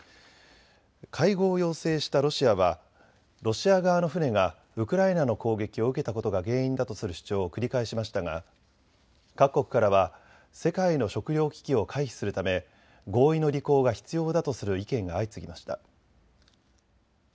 会合を要請したロシアはロシア側の船がウクライナの攻撃を受けたことが原因だとする主張を繰り返しましたが各国からは世界の食料危機を回避するため合意の履行が必要だとする意見が相次ぎました。